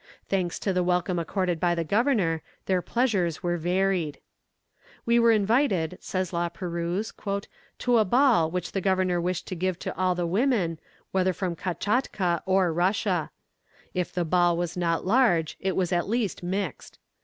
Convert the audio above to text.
Thanks to the welcome accorded by the governor, their pleasures were varied. "We were invited," says La Perouse, "to a ball which the governor wished to give to all the women, whether from Kamtchatka or Russia. If the ball was not large, it was at least mixed.